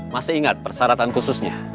masih ingat persyaratan khususnya